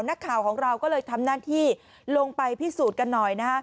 นักข่าวของเราก็เลยทำหน้าที่ลงไปพิสูจน์กันหน่อยนะฮะ